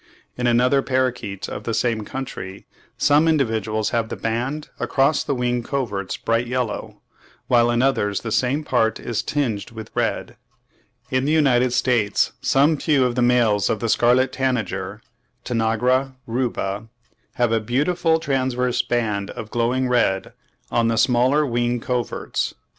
In another parrakeet of the same country "some individuals have the band across the wing coverts bright yellow, while in others the same part is tinged with red." (37. Gould, 'Handbook to Birds of Australia,' vol. ii. pp. 32 and 68.) In the United States some few of the males of the scarlet tanager (Tanagra rubra) have "a beautiful transverse band of glowing red on the smaller wing coverts" (38.